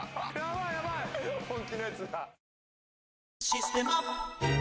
「システマ」